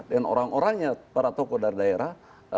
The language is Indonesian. dan orang orangnya para tokoh dari daerah